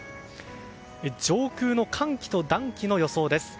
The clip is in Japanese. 上空の寒気と暖気の予想です。